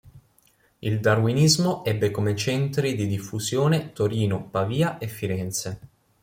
Il darwinismo ebbe come centri di diffusione Torino, Pavia e Firenze.